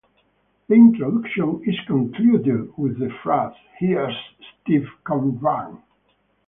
The introduction is concluded with the phrase, "Here's Steve Cochran!".